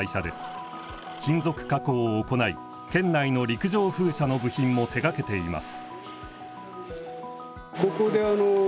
金属加工を行い県内の陸上風車の部品も手がけています。